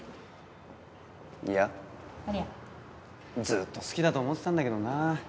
ずっと好きだと思ったんだけどな。